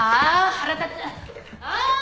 腹立つ！